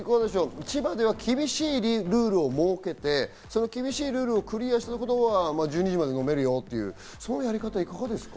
千葉では厳しいルールを設けて、その厳しいルールをクリアすると１２時まで飲めるよというやり方。